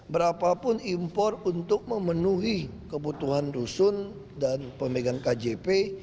berapapun impor untuk memenuhi kebutuhan dusun dan pemegang kjp